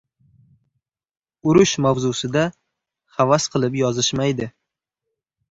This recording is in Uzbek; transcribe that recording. Urush mavzusida havas qilib yozishmaydi.